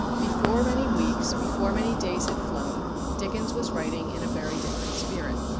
Before many weeks, before many days had flown, Dickens was writing in a very different spirit.